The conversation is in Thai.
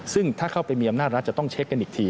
ซึ่งถ้าเข้าไปมีอำนาจรัฐจะต้องเช็คกันอีกที